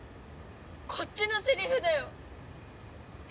こっちのセリフだよ！